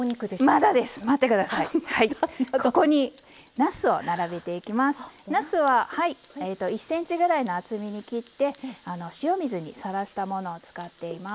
なすは１ｃｍぐらいの厚みに切って塩水にさらしたものを使っています。